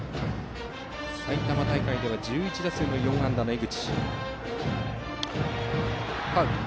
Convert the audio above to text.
埼玉大会では１１打数４安打の江口。